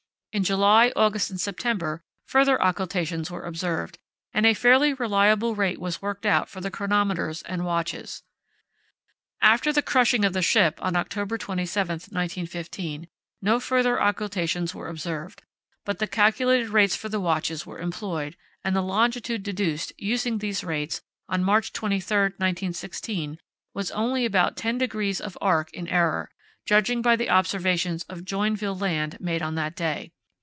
In July, August, and September further occultations were observed, and a fairly reliable rate was worked out for the chronometers and watches. After the crushing of the ship on October 27, 1915, no further occultations were observed, but the calculated rates for the watches were employed, and the longitude deduced, using these rates on March 23, 1916, was only about 10´ of arc in error, judging by the observations of Joinville Land made on that day.